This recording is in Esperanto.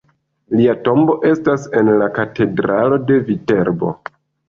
Lia tombo estas en la katedralo de Viterbo.